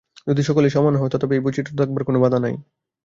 যদি সকলেই সমানও হয়, তথাপি এই বৈচিত্র্য থাকিবার কোন বাধা নাই।